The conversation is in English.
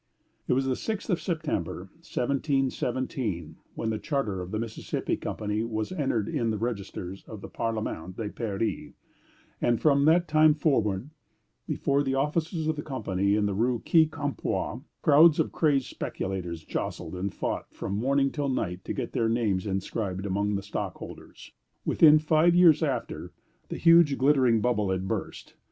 It was the sixth of September, 1717, when the charter of the Mississippi Company was entered in the registers of the Parliament of Paris; and from that time forward, before the offices of the Company in the Rue Quincampoix, crowds of crazed speculators jostled and fought from morning till night to get their names inscribed among the stockholders. Within five years after, the huge glittering bubble had burst.